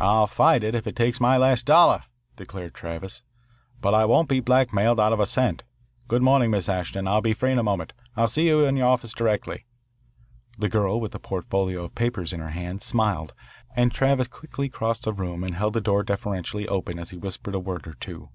"I'll fight it if it takes my last dollar," declared Travis, "but I won't be blackmailed out of a cent. Good morning, Miss Ashton. I'll be free in a moment. I'll see you in your office directly." The girl, with a portfolio of papers in her hand, smiled, and Travis quickly crossed the room and held the door deferentially open as he whispered a word or two.